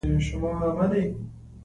له ټوپکو مې کرکه کېږي.